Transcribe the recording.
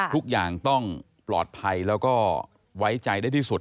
ทุกอย่างต้องปลอดภัยแล้วก็ไว้ใจได้ที่สุด